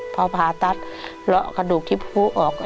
พอผ่าตัดเลาะไอ้กระดูกที่พูออก